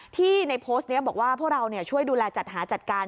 ที่ในโพสต์นี้บอกว่าพวกเราช่วยดูแลจัดหาจัดการ